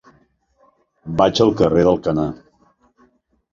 Vaig al carrer d'Alcanar.